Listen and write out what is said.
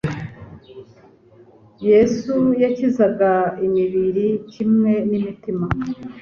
Yesu yakizaga imibiri kimwe n'imitima.